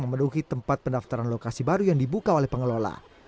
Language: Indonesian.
memenuhi tempat pendaftaran lokasi baru yang dibuka oleh pengelola